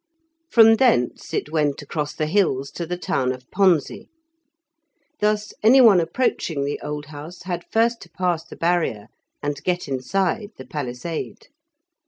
From thence it went across the hills to the town of Ponze. Thus, anyone approaching the Old House had first to pass the barrier and get inside the palisade.